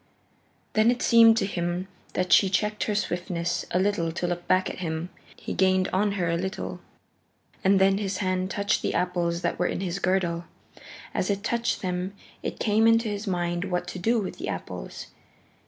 Then it seemed to him that she checked her swiftness a little to look back at him. He gained on her a little. And then his hand touched the apples that were in his girdle. As it touched them it came into his mind what to do with the apples.